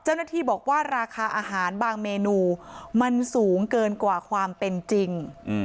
เจ้าหน้าที่บอกว่าราคาอาหารบางเมนูมันสูงเกินกว่าความเป็นจริง